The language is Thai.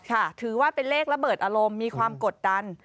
ถือว่าเป็นเลขระเบิดอารมณ์มีความกดดัน